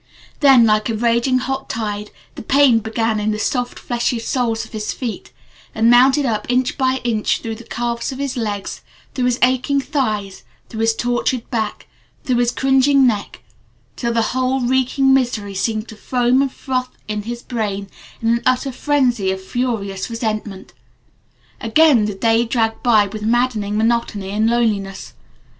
Then like a raging hot tide, the pain began in the soft, fleshy soles of his feet and mounted up inch by inch through the calves of his legs, through his aching thighs, through his tortured back, through his cringing neck, till the whole reeking misery seemed to foam and froth in his brain in an utter frenzy of furious resentment. Again the day dragged by with maddening monotony and loneliness.